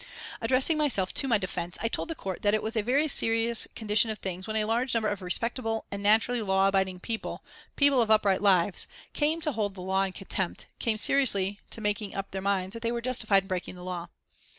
Addressing myself to my defence I told the Court that it was a very serious condition of things when a large number of respectable and naturally law abiding people, people of upright lives, came to hold the law in contempt, came seriously to making up their minds that they were justified in breaking the law.